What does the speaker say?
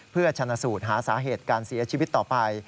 เพื่อชนะสูตรหาสาเหตุการเสียชีวิตต่อไป